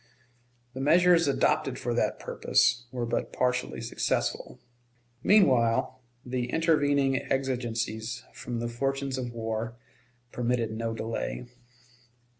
The measures adopted for that purpose were but partially successful. Meanwhile the intervening exigencies from the fortunes of war permitted no delay.